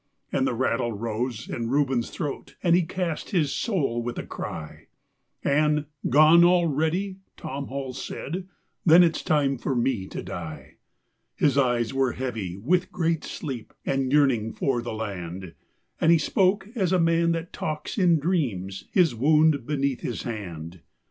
And the rattle rose in Reuben's throat and he cast his soul with a cry, And "Gone already?" Tom Hall he said. "Then it's time for me to die." His eyes were heavy with great sleep and yearning for the land, And he spoke as a man that talks in dreams, his wound beneath his hand.